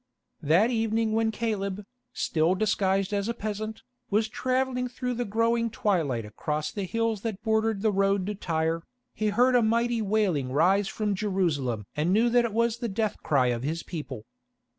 That evening when Caleb, still disguised as a peasant, was travelling through the growing twilight across the hills that bordered the road to Tyre, he heard a mighty wailing rise from Jerusalem and knew that it was the death cry of his people.